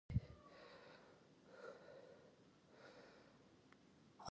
ازادي راډیو د اقلیم په اړه د امنیتي اندېښنو یادونه کړې.